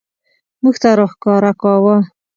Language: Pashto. موږ ته راښکاره کاوه.